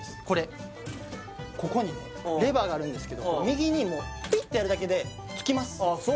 これここにねレバーがあるんですけど右にピッてやるだけでつきます